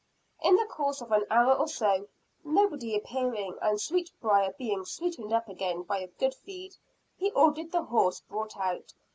In the course of an hour or so, nobody appearing and Sweetbriar being sweetened up again by a good feed, he ordered the horse brought out.